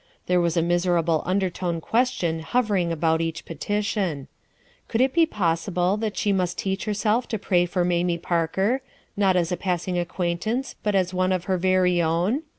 There was a miserable undertone question hover ing about each petition : Could it be possible that she must teach herself to pray for Mamie Parker, not as a passing acquaintance but as one of her very own